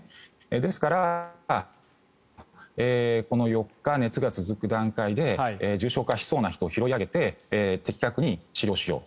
ですからこの、４日熱が続く段階で重症化しそうな人を拾い上げて的確に治療をしよう。